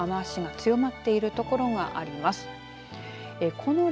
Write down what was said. この時間、再び雨足が強まっている所があります。